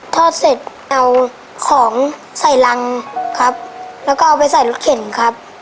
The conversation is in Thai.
ทอดเสร็จเอาของใส่รังครับแล้วก็เอาไปใส่รถเข็นครับ